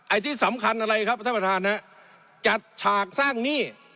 ที่สำคัญอะไรครับท่านประธานฮะจัดฉากสร้างหนี้